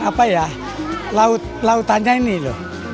apa ya lautannya ini loh